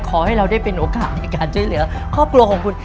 ขอให้เราได้เป็นโอกาสในการช่วยเหลือครอบครัวของคุณ